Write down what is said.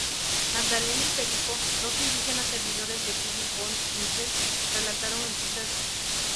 Magdalena y Perico, dos indígenas servidores de Philipp von Hutten relataron el suceso.